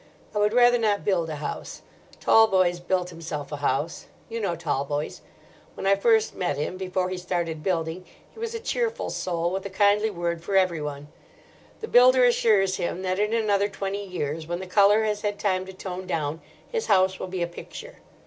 I would rather not build a house. Talboys built himself a house. You know Talboys. When I first met him, before he started building, he was a cheerful soul with a kindly word for everyone. The builder assures him that in another twenty years, when the colour has had time to tone down, his house will be a picture.